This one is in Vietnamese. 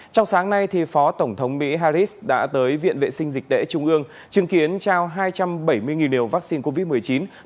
trong sáng nay thì phó tổng thống mỹ harris đã tới viện vệ sinh dịch tễ trung ương chứng kiến trao hai trăm bảy mươi nghìn liều vaccine covid một mươi chín thuộc đợt tài trợ này